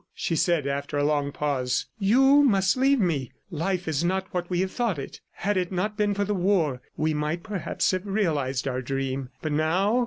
she said after a long pause. "You must leave me. ... Life is not what we have thought it. Had it not been for the war, we might, perhaps, have realized our dream, but now!